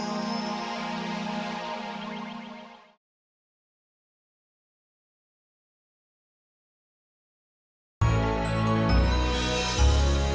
kamu harus melompat